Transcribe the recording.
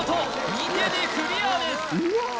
二手でクリアです！